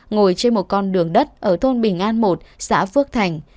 ngồi trên một con đường đất ở thôn bình an một xã phước thành